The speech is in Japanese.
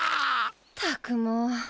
ったくもう。